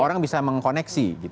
orang bisa mengkoneksi gitu